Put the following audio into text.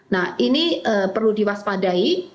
nah ini perlu diwaspadai